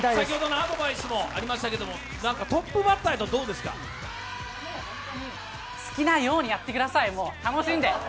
先ほどのアドバイスもありましたけどトップバッターとして、どうですかもうホントに好きなようにやってください、楽しんで。